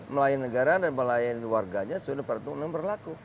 melayani negara dan melayani warganya sudah berlaku